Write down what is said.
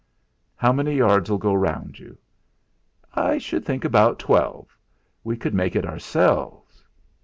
"How many yards'll go round you?" "I should think about twelve. We could make it ourselves.